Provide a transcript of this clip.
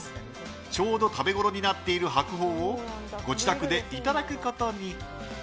ちょうど食べごろになっている白鳳をご自宅でいただくことに。